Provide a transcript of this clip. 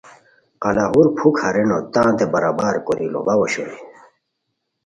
قلاہور پُھک ہارینو تانتے برابر کوری لوڑاؤ اوشوئے